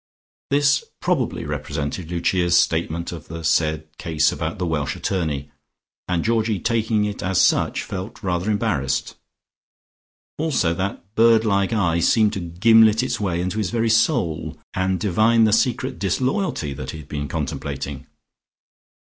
This probably represented Lucia's statement of the said case about the Welsh attorney, and Georgie taking it as such felt rather embarrassed. Also that bird like eye seemed to gimlet its way into his very soul, and divine the secret disloyalty that he had been contemplating.